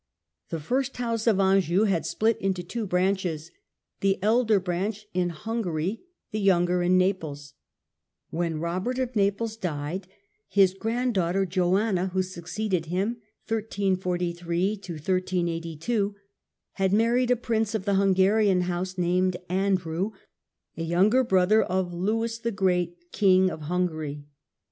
The first house of Anjou had split into two branches ; the elder branch in Hungary, the younger in Naples. Joanna I., When Eobei't of Naples died, his grand daughter Joanna, who succeeded him, had married a Prmce of the Hun garian House named Andrew, a younger brother of Lewis the Great, King of Hungary.